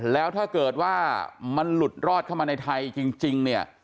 แล้วถ้าเกิดว่ามันหลุดรอดเข้ามาในไทยจริงเนี่ย